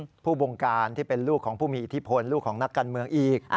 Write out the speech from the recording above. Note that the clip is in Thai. เป็นผู้บงการที่เป็นลูกของผู้มีอิทธิพลลูกของนักการเมืองอีก